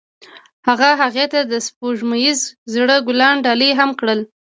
هغه هغې ته د سپوږمیز زړه ګلان ډالۍ هم کړل.